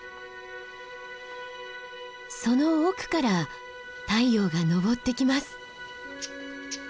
その奥から太陽が昇ってきます。